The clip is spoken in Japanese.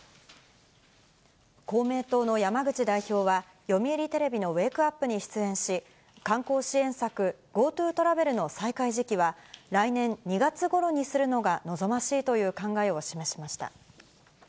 公明党の山口代表は、読売テレビのウェークアップに出演し、観光支援策、ＧｏＴｏトラベルの再開時期は、来年２月ごろにするのが望ましいという考えを示しました。